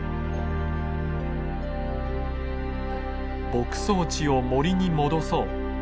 「牧草地を森に戻そう」。